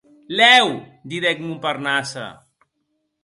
Lèu!, didec Montparnasse.